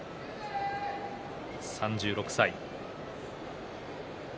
３６歳。